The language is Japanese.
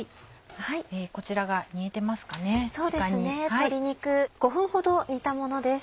鶏肉５分ほど煮たものです。